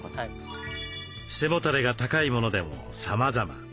背もたれが高いものでもさまざま。